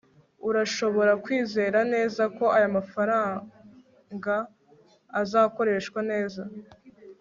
urashobora kwizera neza ko aya mafranga azakoreshwa neza